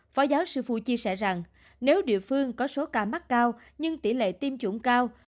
phó giáo sư phu chia sẻ rằng nếu địa phương có số ca mắc cao nhưng tỷ lệ tiêm chủng cao